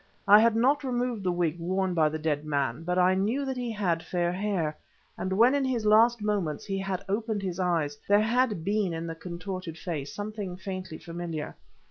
I had not removed the wig worn by the dead man, but I knew that he had fair hair, and when in his last moments he had opened his eyes, there had been in the contorted face something faintly familiar.